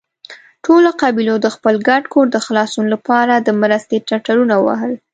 ټولو قبيلو د خپل ګډ کور د خلاصون له پاره د مرستې ټټرونه ووهل.